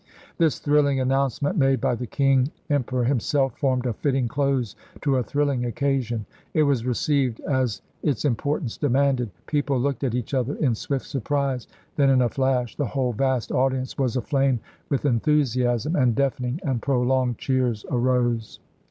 This thrilling announcement, made by the King Emperor himself, formed a fitting close to a thrilling occasion. It was received as its importance demanded. " People looked at each other in swift surprise. Then in a flash the whole vast audience was aflame with enthusi asm, and deafening and prolonged cheers arose."